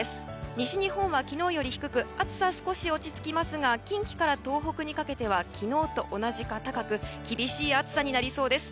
西日本は昨日より低く暑さは少し落ち着きますが近畿から東北にかけては昨日と同じか、高く厳しい暑さになりそうです。